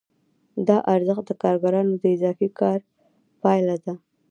دا ارزښت د کارګرانو د اضافي کار پایله ده